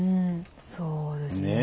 そうですね。